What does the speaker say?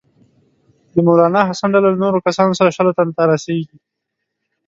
د مولنا حسن ډله له نورو کسانو سره شلو تنو ته رسیږي.